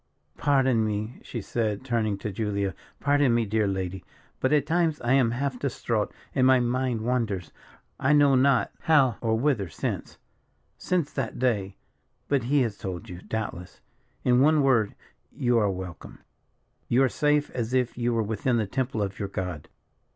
"Pardon me," she said, turning to Julia, "pardon me, dear lady; but at times I am half distraught, and my mind wanders, I know not how or whither, since since that day but he has told you, doubtless. In one word, you are welcome. You are safe as if you were within the temple of your God.